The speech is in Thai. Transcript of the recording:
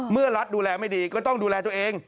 เมื่อรัฐดูแลไม่ดีก็ต้องดูแลตัวเอง